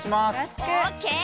オーケー！